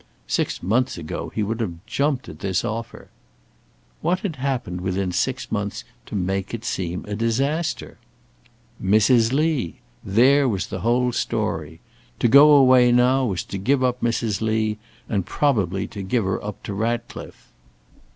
Six months ago he would have jumped at this offer. What had happened within six months to make it seem a disaster? Mrs. Lee! There was the whole story. To go away now was to give up Mrs. Lee, and probably to give her up to Ratcliffe.